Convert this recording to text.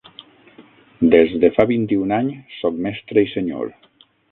Des de fa vint-i-un any sóc mestre i senyor.